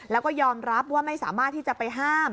แล้วก็ยอมรับว่าไม่สามารถที่จะไปห้าม